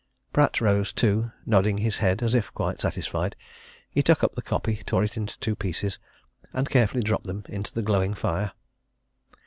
Pratt rose, too, nodding his head as if quite satisfied. He took up the copy, tore it in two pieces, and carefully dropped them into the glowing fire.